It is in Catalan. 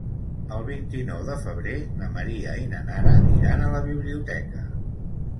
El vint-i-nou de febrer na Maria i na Nara iran a la biblioteca.